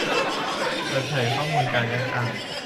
เปิดเผยข้อมูลการเลือกตั้ง